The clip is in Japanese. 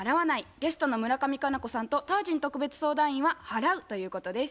ゲストの村上佳菜子さんとタージン特別相談員は「払う」ということです。